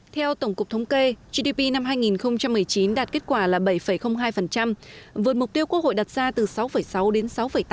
theo tổng cục thống kê gdp năm hai nghìn một mươi chín đạt kết quả là bảy hai vượt mục tiêu quốc hội đặt ra từ sáu sáu đến sáu tám